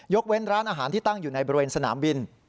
เว้นร้านอาหารที่ตั้งอยู่ในบริเวณสนามบิน